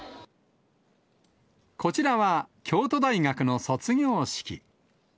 こちらは、京都大学の卒業式。